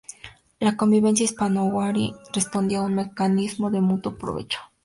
La convivencia hispano-guaraní respondió a un mecanismo de mutuo provecho.